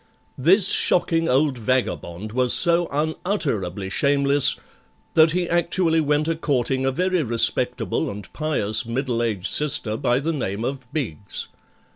This shocking old vagabond was so unutterably shameless That he actually went a courting a very respectable and pious middle aged sister, by the name of BIGGS.